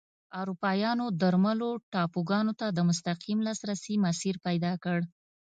اروپایانو درملو ټاپوګانو ته د مستقیم لاسرسي مسیر پیدا کړ.